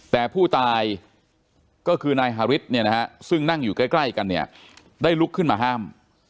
แต่ผู้ตายก็คือนายฮาริสเนี่ยนะฮะซึ่งนั่งอยู่ใกล้กันเนี่ยได้ลุกขึ้นมาห้าม